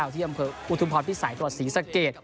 ที่อำเภออุทุมพรพิษัยศรีสักเกต